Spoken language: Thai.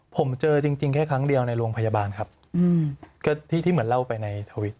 ผมเจอจริงแค่ครั้งเดียวในโรงพยาบาลครับก็ที่เหมือนเล่าไปในทวิต